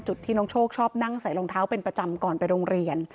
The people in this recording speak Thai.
ที่น้องโชคชอบนั่งใส่รองเท้าเป็นประจำก่อนไปโรงเรียน